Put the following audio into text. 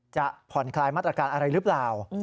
ผ่อนคลายมาตรการอะไรหรือเปล่า